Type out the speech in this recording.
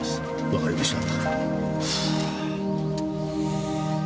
わかりました。